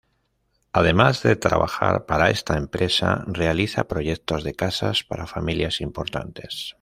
Además de trabajar para esta empresa, realiza proyectos de casas para familias importantes.